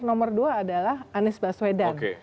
nomor dua adalah anies baswedan